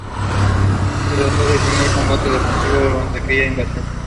Se trató del primer combate defensivo durante aquella invasión.